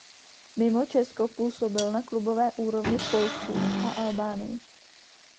Mimo Česko působil na klubové úrovni v Polsku a Albánii.